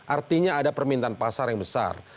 artinya ada permintaan pasar yang besar